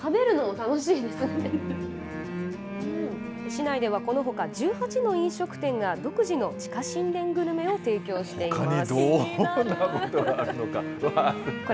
市内ではこのほか１８の飲食店が独自の地下神殿グルメを提供ほかにどんなものがあるのか。